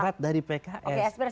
aspirasi pks apa